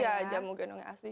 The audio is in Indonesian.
iya jamu genungnya asli